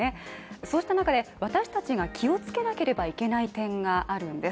そうした中で、私達が気を付けなければいけない点があるんです。